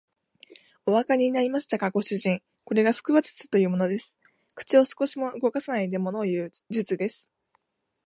おわかりになりましたか、ご主人。これが腹話術というものです。口を少しも動かさないでものをいう術です。